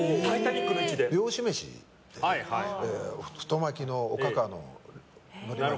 漁師めしで、太巻きのおかかののり巻き。